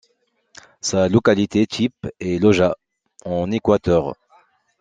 Sa localité type est Loja, en Équateur.